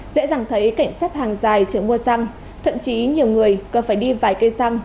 dễ dàng thấy cảnh xếp hàng dài chờ mua xăng thậm chí nhiều người còn phải đi vài cây xăng